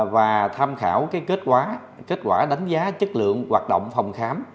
và tham khảo kết quả đánh giá chất lượng hoạt động phòng khám